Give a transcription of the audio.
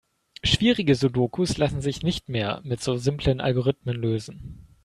Schwierige Sudokus lassen sich nicht mehr mit so simplen Algorithmen lösen.